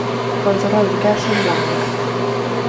Roedd yr oergell yn wag.